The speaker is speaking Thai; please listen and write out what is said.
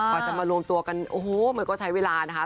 กว่าจะมารวมตัวกันโอ้โหมันก็ใช้เวลานะคะ